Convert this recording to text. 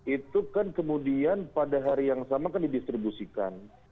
itu kan kemudian pada hari yang sama kan didistribusikan